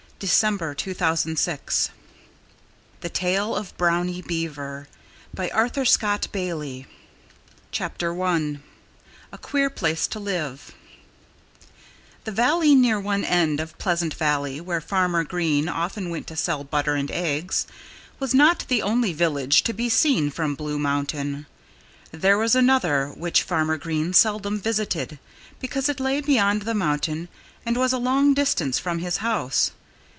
XV JASPER JAY'S STORY XVI LOOKING PLEASANT XVII BROWNIE ESCAPES XVIII MR. FROG'S QUESTION XIX THE NEW SUIT I A QUEER PLACE TO LIVE The village near one end of Pleasant Valley where Farmer Green often went to sell butter and eggs was not the only village to be seen from Blue Mountain. There was another which Farmer Green seldom visited, because it lay beyond the mountain and was a long distance from his house.